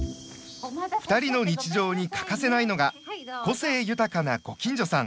２人の日常に欠かせないのが個性豊かなご近所さん。